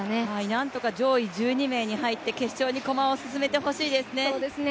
なんとか上位１２名に入って、決勝に駒を進めてほしいですね。